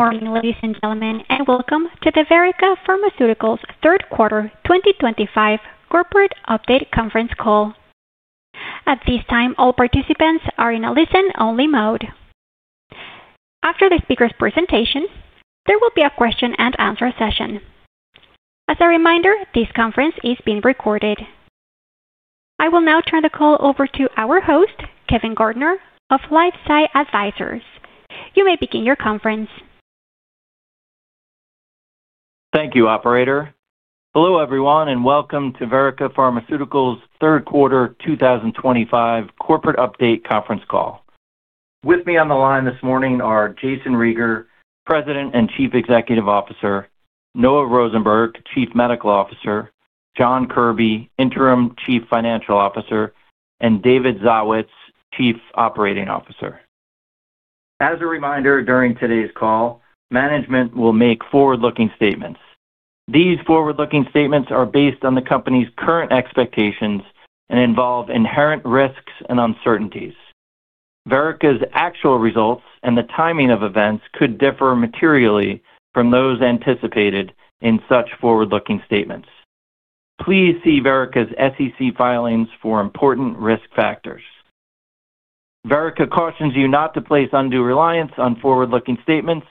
Good morning, ladies and gentlemen, and welcome to the Verrica Pharmaceuticals third quarter 2025 corporate update conference call. At this time, all participants are in a listen-only mode. After the speaker's presentation, there will be a question-and-answer session. As a reminder, this conference is being recorded. I will now turn the call over to our host, Kevin Gardner of LifeSci Advisors. You may begin your conference. Thank you, Operator. Hello, everyone, and welcome to Verrica Pharmaceuticals third quarter 2025 corporate update conference call. With me on the line this morning are Jayson Rieger, President and Chief Executive Officer; Noah Rosenberg, Chief Medical Officer; John Kirby, Interim Chief Financial Officer; and David Zawitz, Chief Operating Officer. As a reminder, during today's call, management will make forward-looking statements. These forward-looking statements are based on the company's current expectations and involve inherent risks and uncertainties. Verrica's actual results and the timing of events could differ materially from those anticipated in such forward-looking statements. Please see Verrica's SEC filings for important risk factors. Verrica cautions you not to place undue reliance on forward-looking statements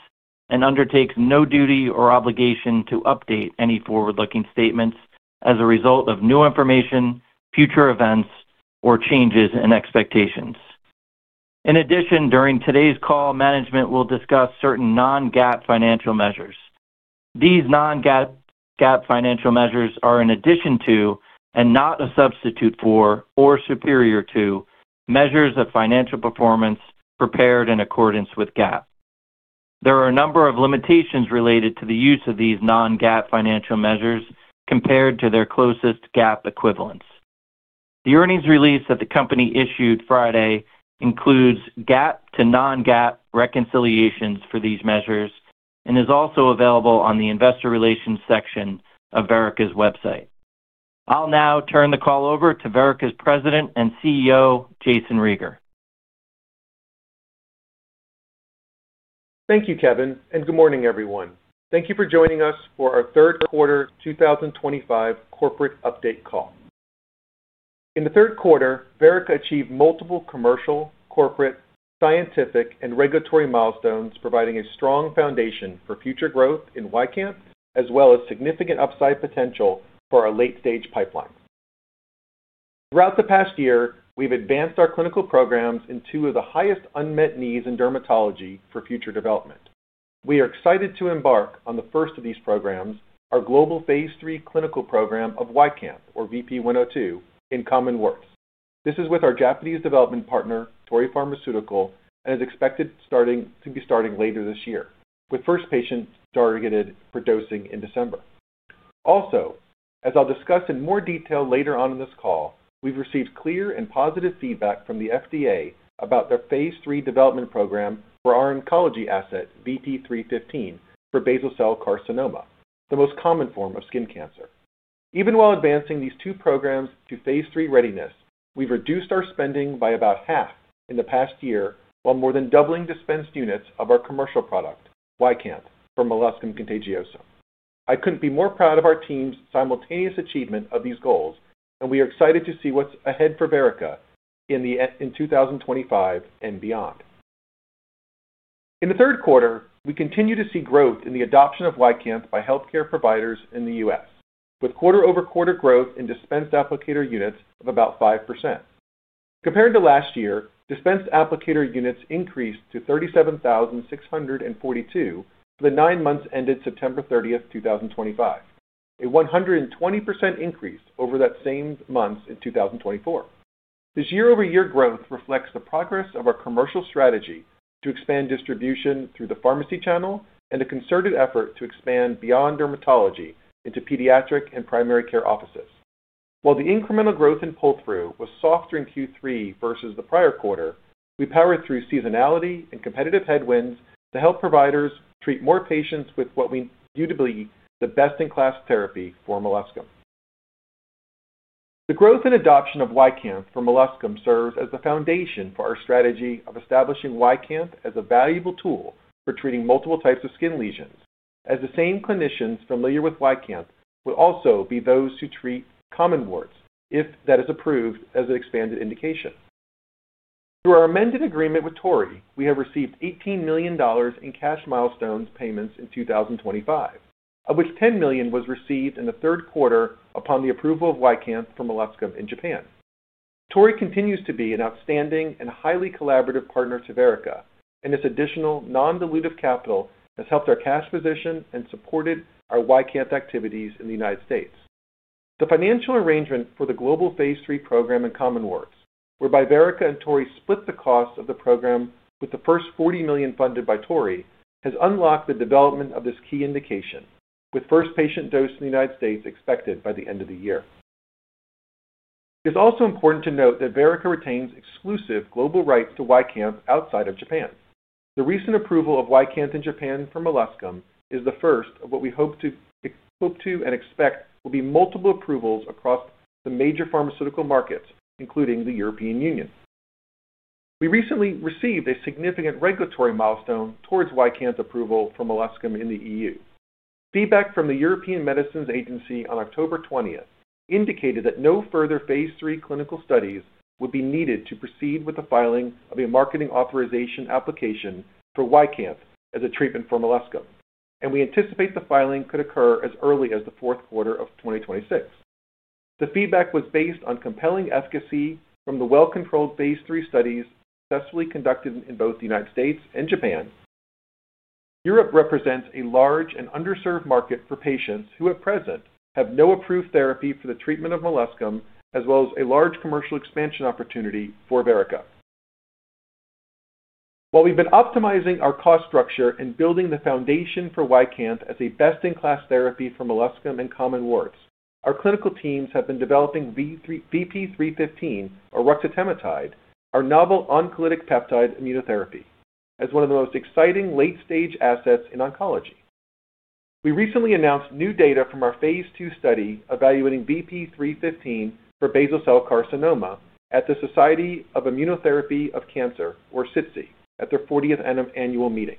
and undertakes no duty or obligation to update any forward-looking statements as a result of new information, future events, or changes in expectations. In addition, during today's call, management will discuss certain Non-GAAP financial measures. These Non-GAAP financial measures are an addition to, and not a substitute for, or superior to, measures of financial performance prepared in accordance with GAAP. There are a number of limitations related to the use of these Non-GAAP financial measures compared to their closest GAAP equivalents. The earnings release that the company issued Friday includes GAAP to Non-GAAP reconciliations for these measures and is also available on the Investor Relations section of Verrica's website. I'll now turn the call over to Verrica's President and CEO, Jayson Rieger. Thank you, Kevin, and good morning, everyone. Thank you for joining us for our third quarter 2025 corporate update call. In the third quarter, Verrica achieved multiple commercial, corporate, scientific, and regulatory milestones, providing a strong foundation for future growth in YCANTH as well as significant upside potential for our late-stage pipeline. Throughout the past year, we've advanced our clinical programs in two of the highest unmet needs in dermatology for future development. We are excited to embark on the first of these programs, our global phase 3 clinical program of YCANTH, or VP-102, in common warts. This is with our Japanese development partner, Torii Pharmaceutical, and is expected to be starting later this year, with first patients targeted for dosing in December. Also, as I'll discuss in more detail later on in this call, we've received clear and positive feedback from the FDA about their phase 3 development program for our oncology asset, VP-315, for basal cell carcinoma, the most common form of skin cancer. Even while advancing these two programs to phase 3 readiness, we've reduced our spending by about half in the past year while more than doubling dispensed units of our commercial product, YCANTH, for molluscum contagiosum. I couldn't be more proud of our team's simultaneous achievement of these goals, and we are excited to see what's ahead for Verrica in 2025 and beyond. In the third quarter, we continue to see growth in the adoption of YCANTH by healthcare providers in the U.S., with quarter-over-quarter growth in dispensed applicator units of about 5%. Compared to last year, dispensed applicator units increased to 37,642 for the nine months ended September 30, 2025, a 120% increase over that same month in 2024. This year-over-year growth reflects the progress of our commercial strategy to expand distribution through the pharmacy channel and a concerted effort to expand beyond dermatology into pediatric and primary care offices. While the incremental growth in pull-through was soft during Q3 versus the prior quarter, we powered through seasonality and competitive headwinds to help providers treat more patients with what we deem to be the best-in-class therapy for molluscum. The growth and adoption of YCANTH for molluscum serves as the foundation for our strategy of establishing YCANTH as a valuable tool for treating multiple types of skin lesions, as the same clinicians familiar with YCANTH will also be those who treat common warts if that is approved as an expanded indication. Through our amended agreement with Torii, we have received $18 million in cash milestone payments in 2025, of which $10 million was received in the third quarter upon the approval of YCANTH for molluscum in Japan. Torii continues to be an outstanding and highly collaborative partner to Verrica, and its additional non-dilutive capital has helped our cash position and supported our YCANTH activities in the United States. The financial arrangement for the global phase 3 program in common warts, whereby Verrica and Torii split the cost of the program with the first $40 million funded by Torii, has unlocked the development of this key indication, with first patient dose in the United States expected by the end of the year. It is also important to note that Verrica retains exclusive global rights to YCANTH outside of Japan. The recent approval of YCANTH in Japan for molluscum is the first of what we hope to and expect will be multiple approvals across the major pharmaceutical markets, including the European Union. We recently received a significant regulatory milestone towards YCANTH's approval for molluscum in the EU. Feedback from the European Medicines Agency on October 20 indicated that no further phase 3 clinical studies would be needed to proceed with the filing of a marketing authorization application for YCANTH as a treatment for molluscum, and we anticipate the filing could occur as early as the fourth quarter of 2026. The feedback was based on compelling efficacy from the well-controlled phase 3 studies successfully conducted in both the United States and Japan. Europe represents a large and underserved market for patients who at present have no approved therapy for the treatment of molluscum, as well as a large commercial expansion opportunity for Verrica. While we've been optimizing our cost structure and building the foundation for YCANTH as a best-in-class therapy for molluscum in common warts, our clinical teams have been developing VP-315, or ruxitematide, our novel oncolytic peptide immunotherapy, as one of the most exciting late-stage assets in oncology. We recently announced new data from our phase 2 study evaluating VP-315 for basal cell carcinoma at the Society for Immunotherapy of Cancer, or SITC, at their 40th annual meeting.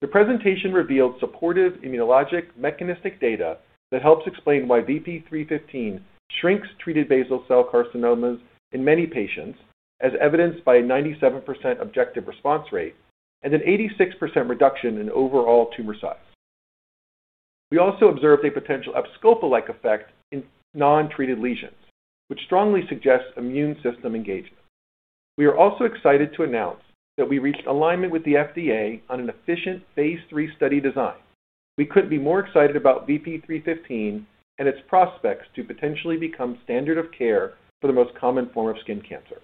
The presentation revealed supportive immunologic mechanistic data that helps explain why VP-315 shrinks treated basal cell carcinomas in many patients, as evidenced by a 97% objective response rate and an 86% reduction in overall tumor size. We also observed a potential abscopal-like effect in non-treated lesions, which strongly suggests immune system engagement. We are also excited to announce that we reached alignment with the FDA on an efficient phase 3 study design. We could not be more excited about VP-315 and its prospects to potentially become standard of care for the most common form of skin cancer.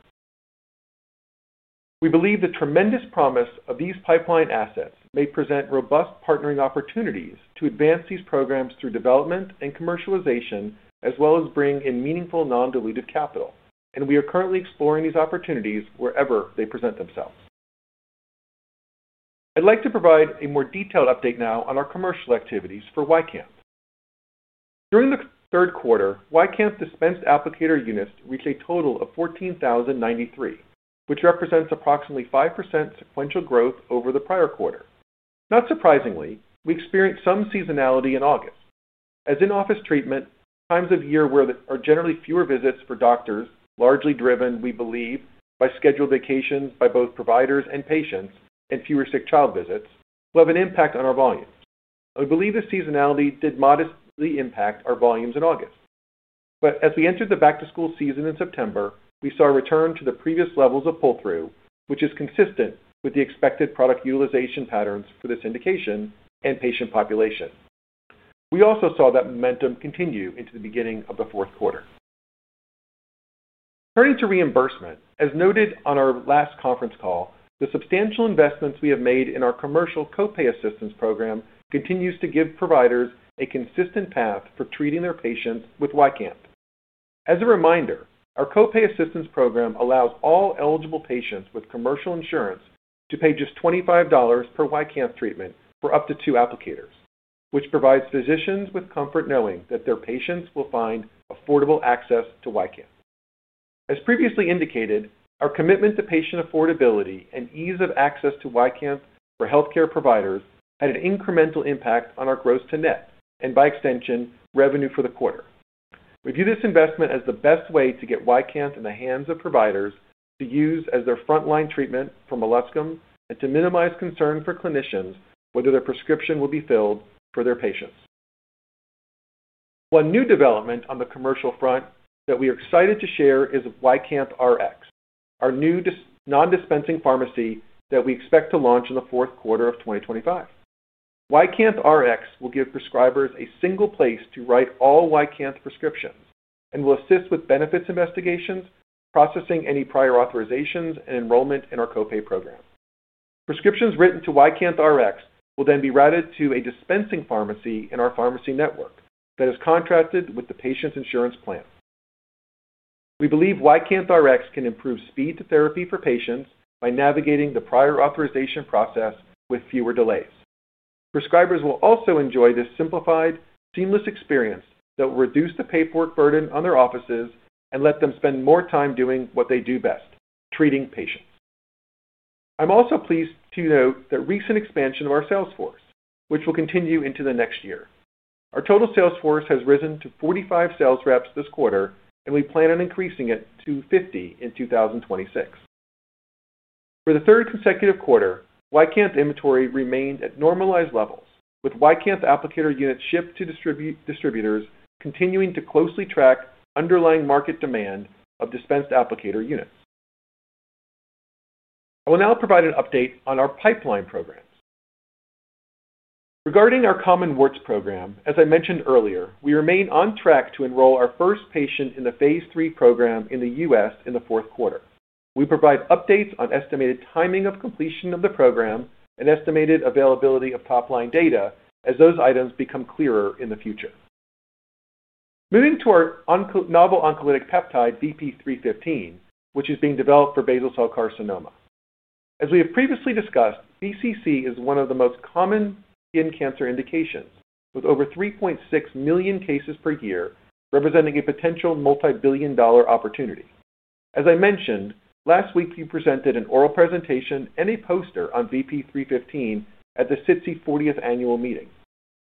We believe the tremendous promise of these pipeline assets may present robust partnering opportunities to advance these programs through development and commercialization, as well as bring in meaningful non-dilutive capital, and we are currently exploring these opportunities wherever they present themselves. I would like to provide a more detailed update now on our commercial activities for YCANTH. During the third quarter, YCANTH dispensed applicator units reached a total of 14,093, which represents approximately 5% sequential growth over the prior quarter. Not surprisingly, we experienced some seasonality in August, as in-office treatment times of year where there are generally fewer visits for doctors, largely driven, we believe, by scheduled vacations by both providers and patients and fewer sick child visits, will have an impact on our volumes. We believe the seasonality did modestly impact our volumes in August, but as we entered the back-to-school season in September, we saw a return to the previous levels of pull-through, which is consistent with the expected product utilization patterns for this indication and patient population. We also saw that momentum continue into the beginning of the fourth quarter. Turning to reimbursement, as noted on our last conference call, the substantial investments we have made in our commercial copay assistance program continue to give providers a consistent path for treating their patients with YCANTH. As a reminder, our copay assistance program allows all eligible patients with commercial insurance to pay just $25 per YCANTH treatment for up to two applicators, which provides physicians with comfort knowing that their patients will find affordable access to YCANTH. As previously indicated, our commitment to patient affordability and ease of access to YCANTH for healthcare providers had an incremental impact on our gross to net and, by extension, revenue for the quarter. We view this investment as the best way to get YCANTH in the hands of providers to use as their frontline treatment for molluscum and to minimize concern for clinicians whether their prescription will be filled for their patients. One new development on the commercial front that we are excited to share is YCANTH Rx, our new non-dispensing pharmacy that we expect to launch in the fourth quarter of 2025. YCANTH Rx will give prescribers a single place to write all YCANTH prescriptions and will assist with benefits investigations, processing any prior authorizations, and enrollment in our copay program. Prescriptions written to YCANTH Rx will then be routed to a dispensing pharmacy in our pharmacy network that is contracted with the patient's insurance plan. We believe YCANTH Rx can improve speed to therapy for patients by navigating the prior authorization process with fewer delays. Prescribers will also enjoy this simplified, seamless experience that will reduce the paperwork burden on their offices and let them spend more time doing what they do best: treating patients. I'm also pleased to note the recent expansion of our sales force, which will continue into the next year. Our total sales force has risen to 45 sales reps this quarter, and we plan on increasing it to 50 in 2026. For the third consecutive quarter, YCANTH inventory remained at normalized levels, with YCANTH applicator units shipped to distributors continuing to closely track underlying market demand of dispensed applicator units. I will now provide an update on our pipeline programs. Regarding our common warts program, as I mentioned earlier, we remain on track to enroll our first patient in the phase 3 program in the U.S. in the fourth quarter. We provide updates on estimated timing of completion of the program and estimated availability of top-line data as those items become clearer in the future. Moving to our novel oncolytic peptide, VP-315, which is being developed for basal cell carcinoma. As we have previously discussed, basal cell carcinoma is one of the most common skin cancer indications, with over 3.6 million cases per year representing a potential multi-billion dollar opportunity. As I mentioned, last week we presented an oral presentation and a poster on VP-315 at the SITC 40th annual meeting.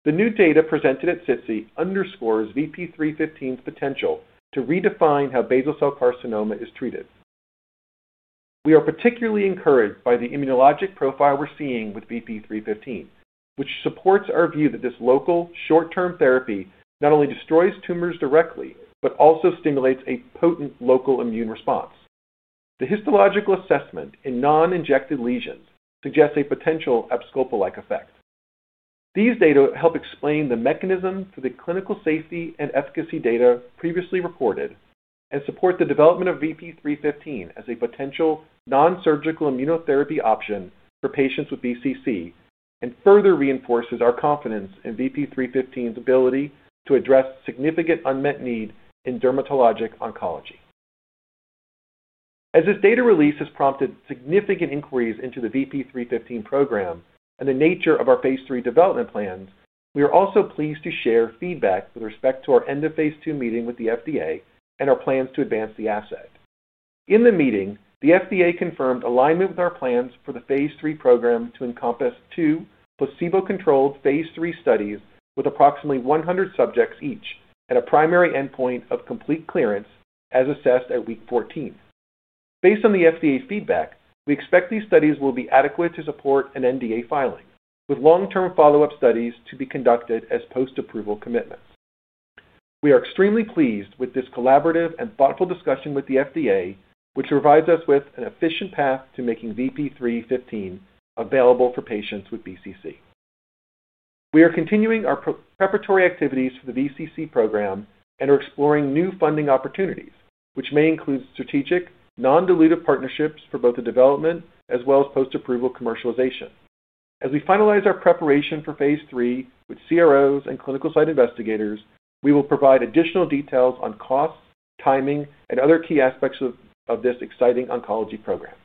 The new data presented at SITC underscores VP-315's potential to redefine how basal cell carcinoma is treated. We are particularly encouraged by the immunologic profile we're seeing with VP-315, which supports our view that this local, short-term therapy not only destroys tumors directly but also stimulates a potent local immune response. The histological assessment in non-injected lesions suggests a potential upscopal-like effect. These data help explain the mechanism through the clinical safety and efficacy data previously reported and support the development of VP-315 as a potential non-surgical immunotherapy option for patients with BCC and further reinforces our confidence in VP-315's ability to address significant unmet need in dermatologic oncology. As this data release has prompted significant inquiries into the VP-315 program and the nature of our phase 3 development plans, we are also pleased to share feedback with respect to our end-of-phase 2 meeting with the FDA and our plans to advance the asset. In the meeting, the FDA confirmed alignment with our plans for the phase 3 program to encompass two placebo-controlled phase 3 studies with approximately 100 subjects each at a primary endpoint of complete clearance as assessed at week 14. Based on the FDA feedback, we expect these studies will be adequate to support an NDA filing, with long-term follow-up studies to be conducted as post-approval commitments. We are extremely pleased with this collaborative and thoughtful discussion with the FDA, which provides us with an efficient path to making VP-315 available for patients with BCC. We are continuing our preparatory activities for the VCC program and are exploring new funding opportunities, which may include strategic non-dilutive partnerships for both the development as well as post-approval commercialization. As we finalize our preparation for phase 3 with CROs and clinical site investigators, we will provide additional details on costs, timing, and other key aspects of this exciting oncology program.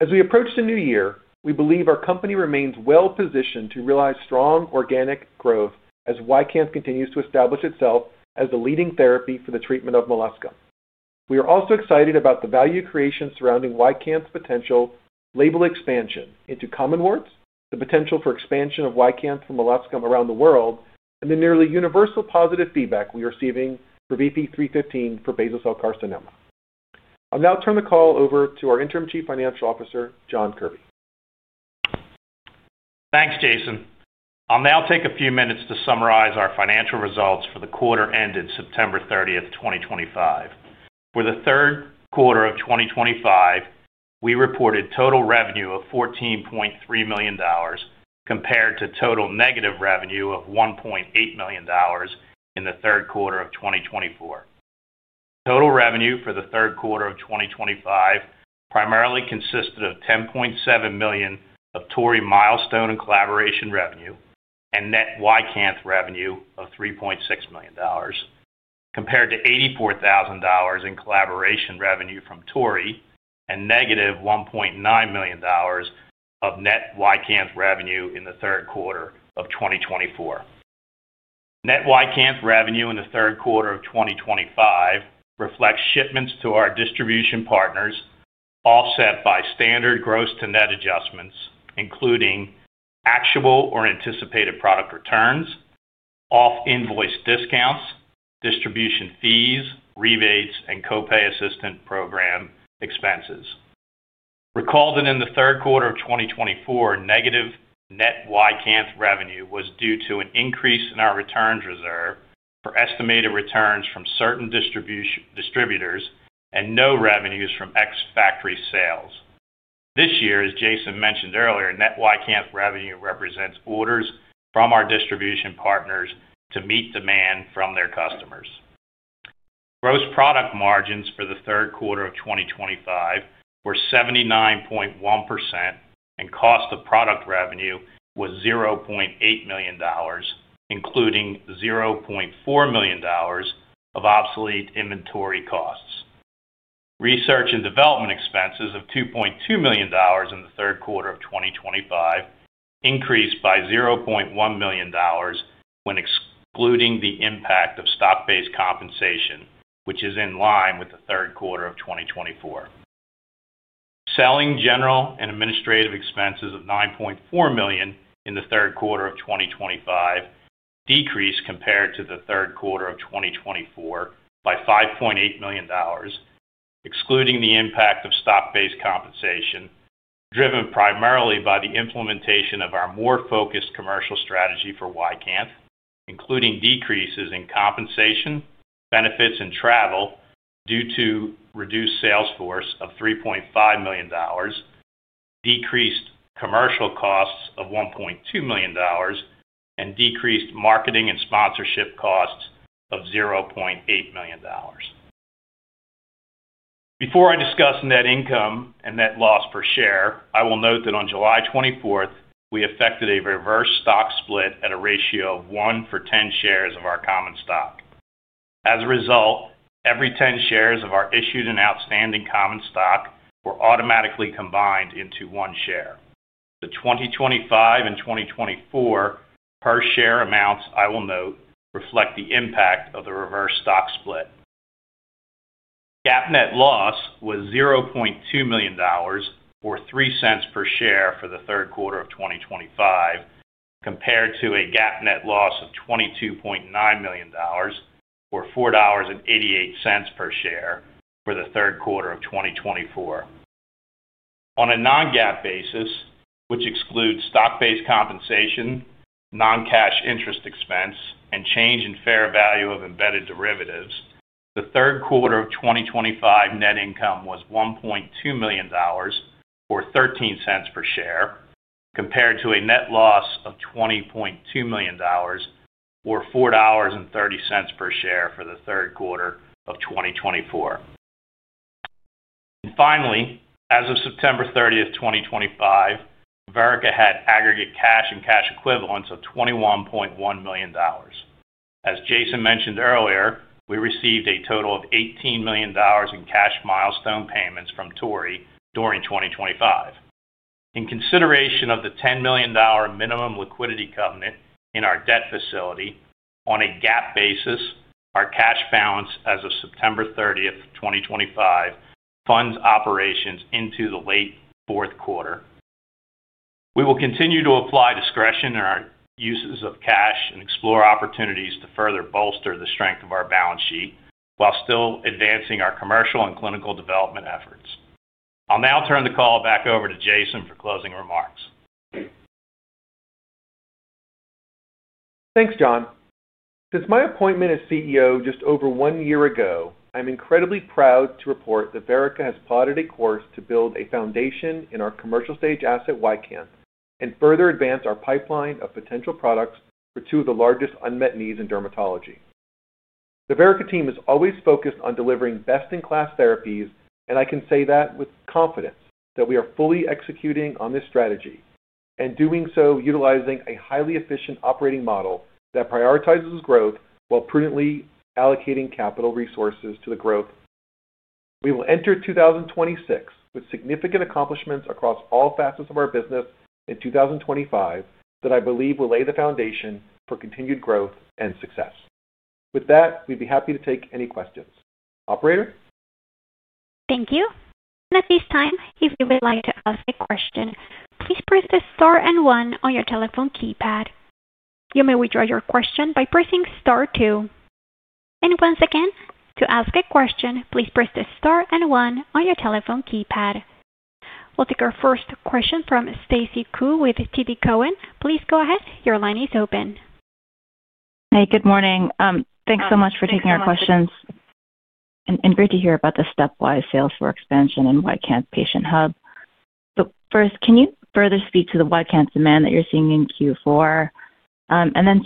As we approach the new year, we believe our company remains well-positioned to realize strong organic growth as YCANTH continues to establish itself as the leading therapy for the treatment of molluscum. We are also excited about the value creation surrounding YCANTH's potential label expansion into common warts, the potential for expansion of YCANTH for molluscum around the world, and the nearly universal positive feedback we are receiving for VP-315 for basal cell carcinoma. I'll now turn the call over to our Interim Chief Financial Officer, John Kirby. Thanks, Jayson. I'll now take a few minutes to summarize our financial results for the quarter ended September 30th, 2025. For the third quarter of 2025, we reported total revenue of $14.3 million compared to total negative revenue of $1.8 million in the third quarter of 2024. Total revenue for the third quarter of 2025 primarily consisted of $10.7 million of Torii milestone and collaboration revenue and net YCANTH revenue of $3.6 million, compared to $84,000 in collaboration revenue from Torii and negative $1.9 million of net YCANTH revenue in the third quarter of 2024. Net YCANTH revenue in the third quarter of 2025 reflects shipments to our distribution partners offset by standard gross to net adjustments, including actual or anticipated product returns, off-invoice discounts, distribution fees, rebates, and copay assistance program expenses. Recall that in the third quarter of 2024, negative net YCANTH revenue was due to an increase in our returns reserve for estimated returns from certain distributors and no revenues from ex-factory sales. This year, as Jayson mentioned earlier, net YCANTH revenue represents orders from our distribution partners to meet demand from their customers. Gross product margins for the third quarter of 2025 were 79.1%, and cost of product revenue was $0.8 million, including $0.4 million of obsolete inventory costs. Research and development expenses of $2.2 million in the third quarter of 2025 increased by $0.1 million when excluding the impact of stock-based compensation, which is in line with the third quarter of 2024. Selling, general, and administrative expenses of $9.4 million in the third quarter of 2025 decreased compared to the third quarter of 2024 by $5.8 million, excluding the impact of stock-based compensation, driven primarily by the implementation of our more focused commercial strategy for YCANTH, including decreases in compensation, benefits, and travel due to reduced sales force of $3.5 million, decreased commercial costs of $1.2 million, and decreased marketing and sponsorship costs of $0.8 million. Before I discuss net income and net loss per share, I will note that on July 24th, we effected a reverse stock split at a ratio of 1x10 shares of our common stock. As a result, every 10 shares of our issued and outstanding common stock were automatically combined into one share. The 2025 and 2024 per share amounts, I will note, reflect the impact of the reverse stock split. GAAP net loss was $0.2 million, or $0.03 per share for the third quarter of 2025, compared to a GAAP net loss of $22.9 million, or $4.88 per share for the third quarter of 2024. On a Non-GAAP basis, which excludes stock-based compensation, non-cash interest expense, and change in fair value of embedded derivatives, the third quarter of 2025 net income was $1.2 million, or $0.13 per share, compared to a net loss of $20.2 million, or $4.30 per share for the third quarter of 2024. Finally, as of September 30th, 2025, Verrica had aggregate cash and cash equivalents of $21.1 million. As Jayson mentioned earlier, we received a total of $18 million in cash milestone payments from Torii during 2025. In consideration of the $10 million minimum liquidity covenant in our debt facility, on a GAAP basis, our cash balance as of September 30th, 2025, funds operations into the late fourth quarter. We will continue to apply discretion in our uses of cash and explore opportunities to further bolster the strength of our balance sheet while still advancing our commercial and clinical development efforts. I'll now turn the call back over to Jayson for closing remarks. Thanks, John. Since my appointment as CEO just over one year ago, I'm incredibly proud to report that Verrica has plotted a course to build a foundation in our commercial-stage asset, YCANTH, and further advance our pipeline of potential products for two of the largest unmet needs in dermatology. The Verrica team is always focused on delivering best-in-class therapies, and I can say that with confidence that we are fully executing on this strategy and doing so utilizing a highly efficient operating model that prioritizes growth while prudently allocating capital resources to the growth. We will enter 2026 with significant accomplishments across all facets of our business in 2025 that I believe will lay the foundation for continued growth and success. With that, we'd be happy to take any questions. Operator? Thank you. At this time, if you would like to ask a question, please press the star and one on your telephone keypad. You may withdraw your question by pressing star two. Once again, to ask a question, please press the star and one on your telephone keypad. We'll take our first question from Stacy Ku with TD Cowen. Please go ahead. Your line is open. Hey, good morning. Thanks so much for taking our questions. Great to hear about the stepwise sales force expansion and YCANTH patient hub. First, can you further speak to the YCANTH demand that you're seeing in Q4?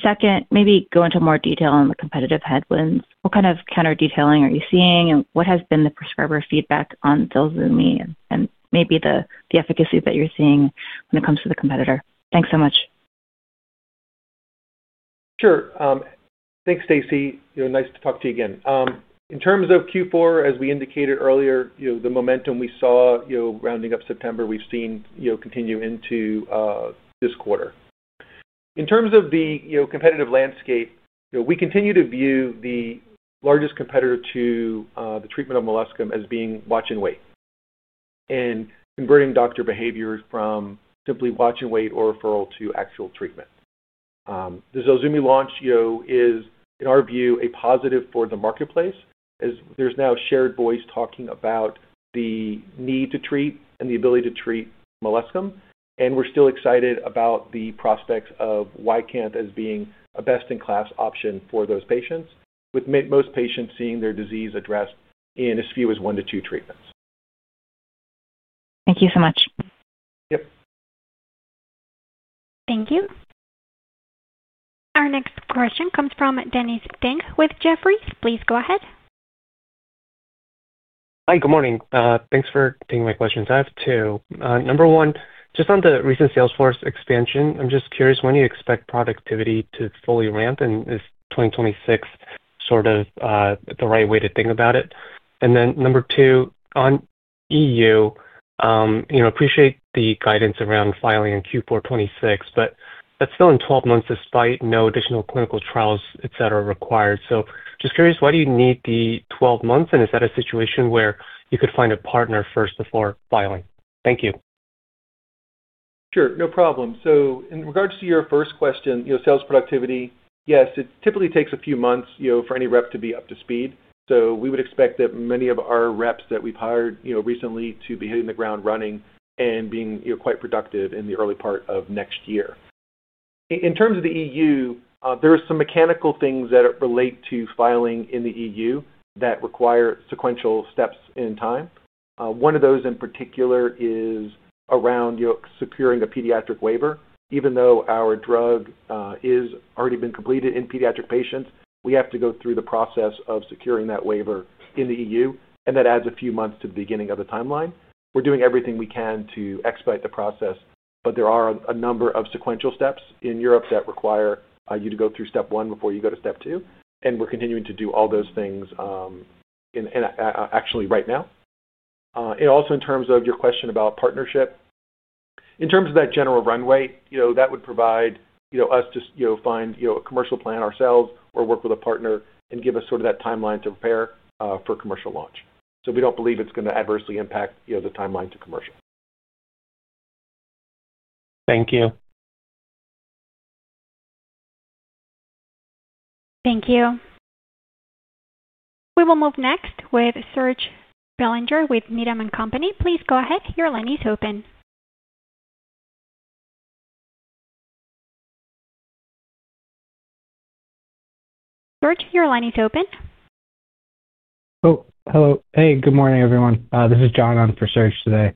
Second, maybe go into more detail on the competitive headwinds. What kind of counter-detailing are you seeing, and what has been the prescriber feedback on Zelsuvmi and maybe the efficacy that you're seeing when it comes to the competitor? Thanks so much. Sure. Thanks, Stacy. Nice to talk to you again. In terms of Q4, as we indicated earlier, the momentum we saw rounding up September, we've seen continue into this quarter. In terms of the competitive landscape, we continue to view the largest competitor to the treatment of molluscum as being watch and wait and converting doctor behavior from simply watch and wait or referral to actual treatment. The Zelsuvmi launch is, in our view, a positive for the marketplace as there's now shared voice talking about the need to treat and the ability to treat molluscum. We're still excited about the prospects of YCANTH as being a best-in-class option for those patients, with most patients seeing their disease addressed in as few as one to two treatments. Thank you so much. Yep. Thank you. Our next question comes from Dennis Ding with Jefferies. Please go ahead. Hi. Good morning. Thanks for taking my questions. I have two. Number one, just on the recent sales force expansion, I'm just curious when you expect productivity to fully ramp, and is 2026 sort of the right way to think about it? Number two, on EU, I appreciate the guidance around filing in Q4 2026, but that's still in 12 months despite no additional clinical trials, etc., required. Just curious, why do you need the 12 months, and is that a situation where you could find a partner first before filing? Thank you. Sure. No problem. In regards to your first question, sales productivity, yes, it typically takes a few months for any rep to be up to speed. We would expect that many of our reps that we've hired recently to be hitting the ground running and being quite productive in the early part of next year. In terms of the EU, there are some mechanical things that relate to filing in the EU that require sequential steps in time. One of those in particular is around securing a pediatric waiver. Even though our drug has already been completed in pediatric patients, we have to go through the process of securing that waiver in the EU, and that adds a few months to the beginning of the timeline. We're doing everything we can to expedite the process, but there are a number of sequential steps in Europe that require you to go through step one before you go to step two. We're continuing to do all those things actually right now. Also, in terms of your question about partnership, in terms of that general runway, that would provide us to find a commercial plan ourselves or work with a partner and give us sort of that timeline to prepare for commercial launch. We don't believe it's going to adversely impact the timeline to commercial. Thank you. Thank you. We will move next with Serge Bellinger with Needham & Company. Please go ahead. Your line is open. Serge, your line is open. Oh, hello. Hey, good morning, everyone. This is John on for Serge today.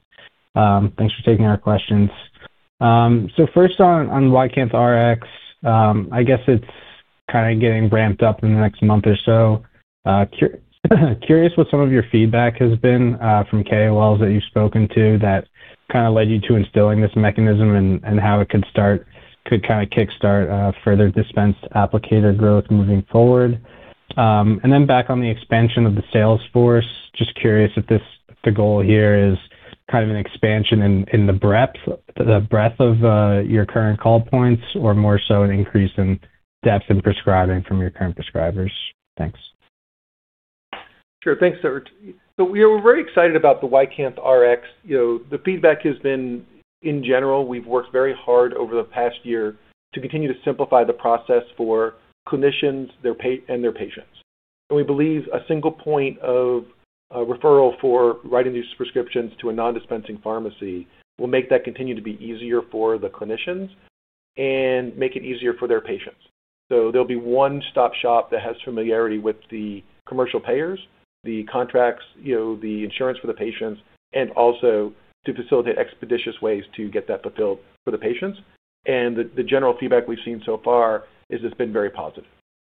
Thanks for taking our questions. First on YCANTH Rx, I guess it's kind of getting ramped up in the next month or so. Curious what some of your feedback has been from KOLs that you've spoken to that kind of led you to instilling this mechanism and how it could kind of kickstart further dispensed applicator growth moving forward. Back on the expansion of the sales force, just curious if the goal here is kind of an expansion in the breadth of your current call points or more so an increase in depth in prescribing from your current prescribers. Thanks. Sure. Thanks, Serge. We're very excited about the YCANTH Rx. The feedback has been, in general, we've worked very hard over the past year to continue to simplify the process for clinicians and their patients. We believe a single point of referral for writing these prescriptions to a non-dispensing pharmacy will make that continue to be easier for the clinicians and make it easier for their patients. There will be one-stop shop that has familiarity with the commercial payers, the contracts, the insurance for the patients, and also to facilitate expeditious ways to get that fulfilled for the patients. The general feedback we've seen so far is it's been very positive.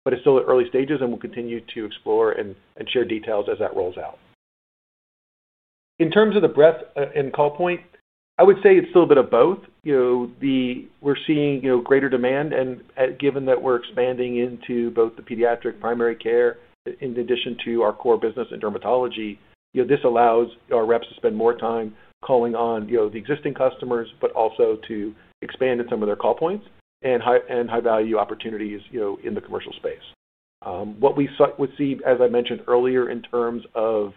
It is still at early stages, and we'll continue to explore and share details as that rolls out. In terms of the breadth and call point, I would say it's a little bit of both. We're seeing greater demand, and given that we're expanding into both the pediatric primary care in addition to our core business in dermatology, this allows our reps to spend more time calling on the existing customers, but also to expand in some of their call points and high-value opportunities in the commercial space. What we would see, as I mentioned earlier, in terms of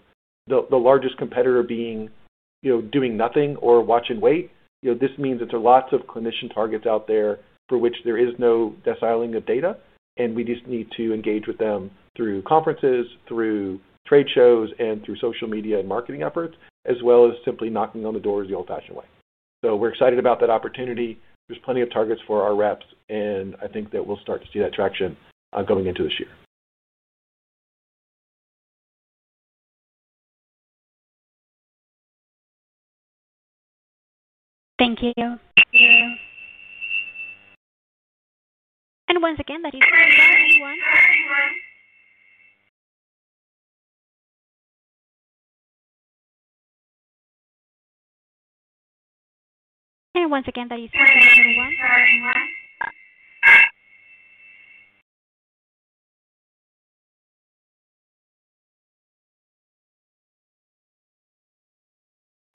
the largest competitor being doing nothing or watch and wait, this means it's lots of clinician targets out there for which there is no deciling of data, and we just need to engage with them through conferences, through trade shows, and through social media and marketing efforts, as well as simply knocking on the doors the old-fashioned way. We're excited about that opportunity. There's plenty of targets for our reps, and I think that we'll start to see that traction going into this year. Thank you. Thank you. Once again, that is.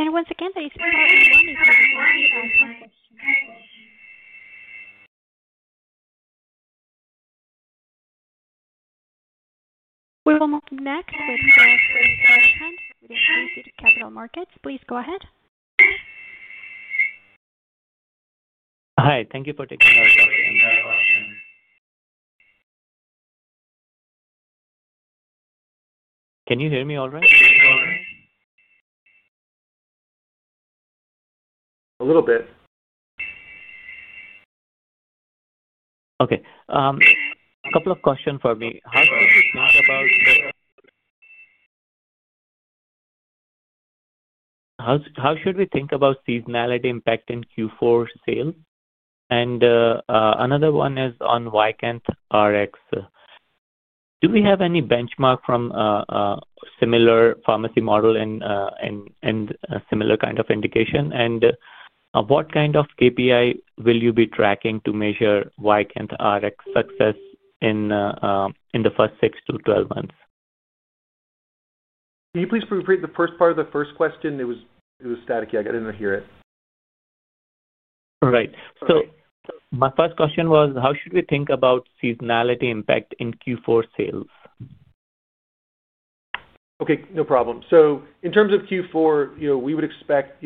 We will move next with with Inclusive Capital Markets. Please go ahead. Hi. Thank you for taking our call. Can you hear me all right? A little bit. Okay. A couple of questions for me. How should we think about the, how should we think about seasonality impact in Q4 sales? Another one is on YCANTH Rx. Do we have any benchmark from a similar pharmacy model and similar kind of indication? What kind of KPI will you be tracking to measure YCANTH Rx success in the first six to 12 months? Can you please repeat the first part of the first question? It was static. I did not hear it. Right. My first question was, how should we think about seasonality impact in Q4 sales? Okay. No problem. In terms of Q4, we would expect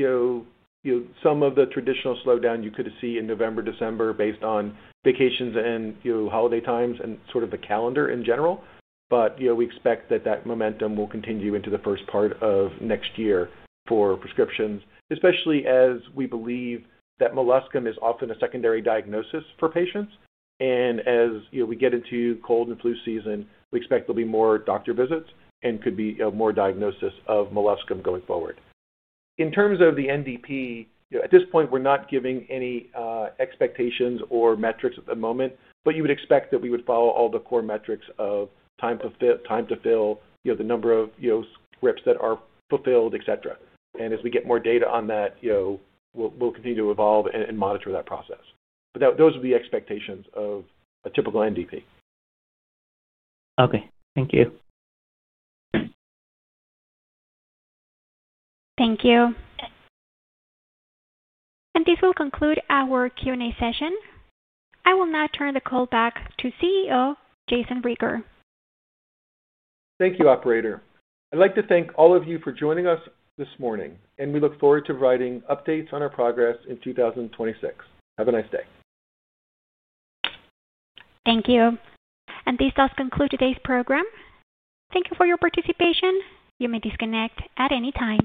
some of the traditional slowdown you could see in November, December based on vacations and holiday times and sort of the calendar in general. We expect that that momentum will continue into the first part of next year for prescriptions, especially as we believe that molluscum is often a secondary diagnosis for patients. As we get into cold and flu season, we expect there will be more doctor visits and could be more diagnosis of molluscum going forward. In terms of the NDP, at this point, we're not giving any expectations or metrics at the moment, but you would expect that we would follow all the core metrics of time to fill, the number of reps that are fulfilled, etc. As we get more data on that, we'll continue to evolve and monitor that process. But those would be expectations of a typical NDA. Okay. Thank you. Thank you. This will conclude our Q&A session. I will now turn the call back to CEO Jayson Rieger. Thank you, Operator. I'd like to thank all of you for joining us this morning, and we look forward to providing updates on our progress in 2026. Have a nice day. Thank you. This does conclude today's program. Thank you for your participation. You may disconnect at any time.